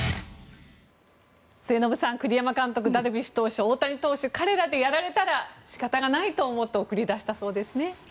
末延さん、栗山監督はダルビッシュ投手、大谷投手彼らでやられたら仕方がないと思って送り出したそうですね。